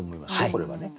これはね。